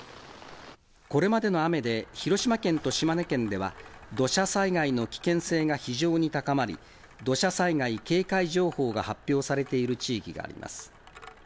これまでの雨で広島県と島根県では、土砂災害の危険性が非常に高まり、土砂災害警戒情報が発表されている地域があります。